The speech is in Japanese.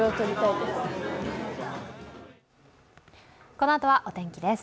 このあとはお天気です。